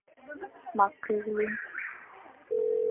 Ma keghle nku.